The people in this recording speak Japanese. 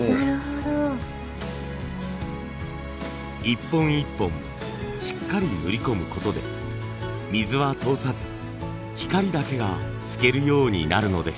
一本一本しっかり塗り込む事で水は通さず光だけが透けるようになるのです。